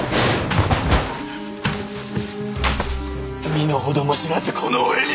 身の程も知らずこの俺に。